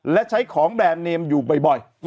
และใช้ของแบรนด์เนมอยู่บ่อย